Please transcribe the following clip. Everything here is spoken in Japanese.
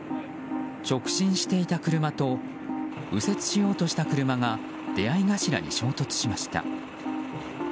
直進していた車と右折しようとした車が出合い頭に衝突しました。